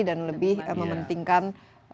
dan lebih mementingkan